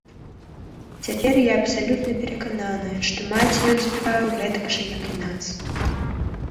Цяпер я абсалютна перакананая, што маці ён збіваў гэтак жа, як і нас.